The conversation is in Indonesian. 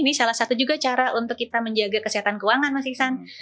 ini salah satu juga cara untuk kita menjaga kesehatan keuangan mas iksan